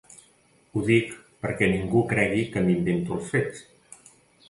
Ho dic perquè ningú cregui que m’invento els fets.